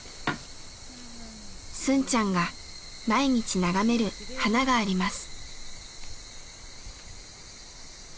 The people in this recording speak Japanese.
スンちゃんが毎日眺める花があります。